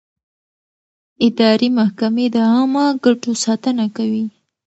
اداري محکمې د عامه ګټو ساتنه کوي.